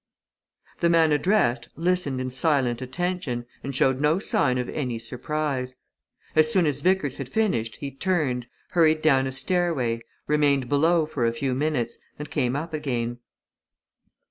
The man addressed listened in silent attention, and showed no sign of any surprise. As soon as Vickers had finished he turned, hurried down a stairway, remained below for a few minutes, and came up again.